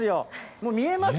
もう見えます？